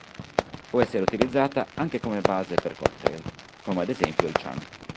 Può essere utilizzata anche come base per cocktail, come ad esempio il Chunk.